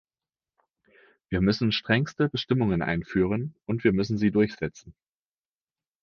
Wir müssen strengste Bestimmungen einführen, und wir müssen sie durchsetzen.